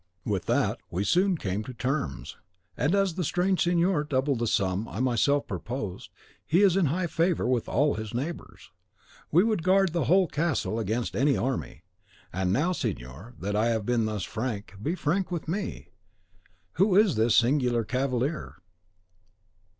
"With that we soon came to terms; and as the strange signor doubled the sum I myself proposed, he is in high favour with all his neighbours. We would guard the whole castle against an army. And now, signor, that I have been thus frank, be frank with me. Who is this singular cavalier?"